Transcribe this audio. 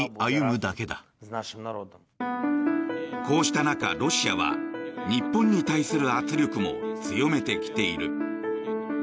こうした中、ロシアは日本に対する圧力も強めてきている。